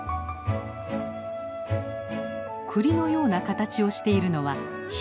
クリのような形をしているのはヒメグルミ。